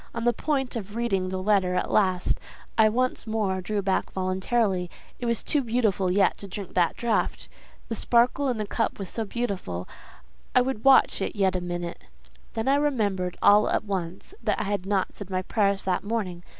On the point of reading the letter at last, I once more drew back voluntarily; it was too soon yet to drink that draught—the sparkle in the cup was so beautiful—I would watch it yet a minute. Then I remembered all at once that I had not said my prayers that morning.